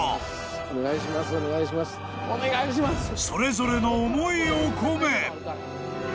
［それぞれの思いを込め］